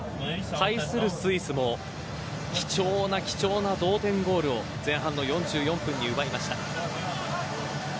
対するスイスも貴重な貴重な同点ゴールを前半の４４分に奪いました。